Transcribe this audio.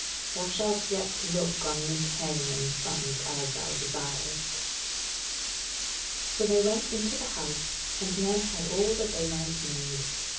Thou shalt yet look on Mick Hangman's sons, as thou desirest." So they went into the House, and men had all that they might need.